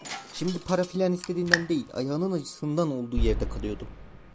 Şimdi para filan istediğinden değil, ayağının acısından olduğu yerde kalıyordu.